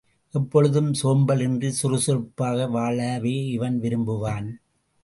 எப்பொழுதும் சோம்பல் இன்றிச் சுறுசுறுப்பாக வாழவே இவன் விரும்புவான்.